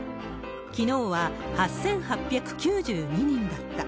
きのうは８８９２人だった。